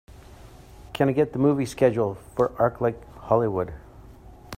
Can I get the movie schedule for ArcLight Hollywood